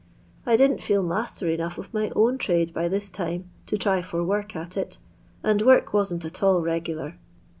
I didn't feel maaier enough of my own trade by tbia time to txy for work at it, and week wasn't at all regular.